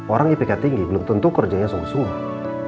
orang ipk tinggi belum tentu kerjanya sungguh sungguh